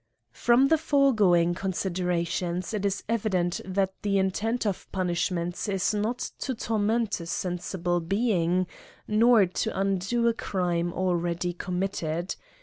FROM the foregoing considerations it is evi dent that the intent of punishments is not to tor ment a sensible being, nor to undo a criine al ready committed.